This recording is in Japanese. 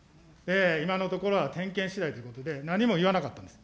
今のところは点検しだいということで、何も言わなかったんです。